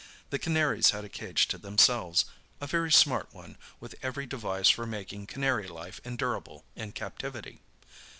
The canaries had a cage to themselves—a very smart one, with every device for making canary life endurable in captivity.